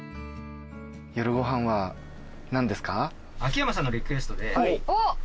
夜ご飯は何ですか？